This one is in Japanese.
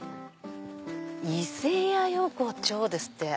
「伊勢屋横丁」ですって。